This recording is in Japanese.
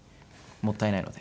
もったいないので。